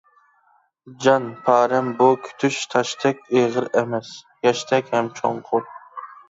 جان پارەم بۇ كۈتۈش تاشتەك ئېغىر ئەمەس ، ياشتەك ھەم چوڭقۇر .